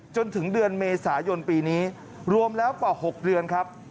จนถึงเดือนเมษายนปีนี้รวมแล้วกว่า๖เดือนครับ